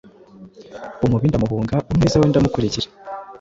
Umubi ndamuhunga umwiza we ndamukurikira